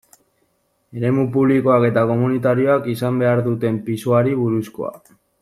Eremu publikoak eta komunitarioak izan behar duten pisuari buruzkoa.